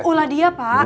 ulah dia pak